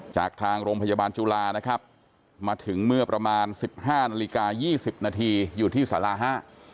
จากทางโรงพยาบาลจุฬานะครับมาถึงเมื่อประมาณ๑๕นาฬิกา๒๐นาทีอยู่ที่สาราฮะ